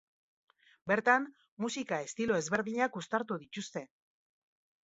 Bertan, musika estilo ezberdinak uztartu dituzte.